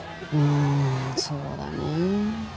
うんそうだねえ